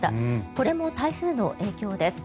これも台風の影響です。